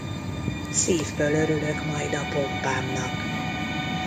Szívből örülök majd a pompámnak.